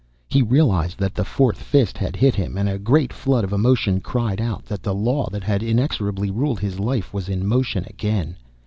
He realized that the fourth fist had hit him, and a great flood of emotion cried out that the law that had inexorably ruled his life was in motion again.